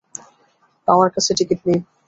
আমার কাছে টিকেট নেই।